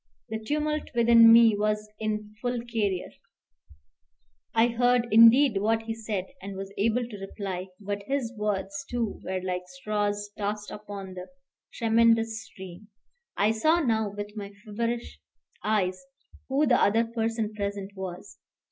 The tumult within me was in full career. I heard indeed what he said, and was able to reply; but his words, too, were like straws tossed upon the tremendous stream. I saw now with my feverish eyes who the other person present was.